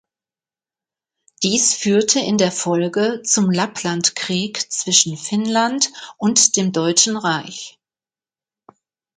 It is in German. Dies führte in der Folge zum Lapplandkrieg zwischen Finnland und dem Deutschen Reich.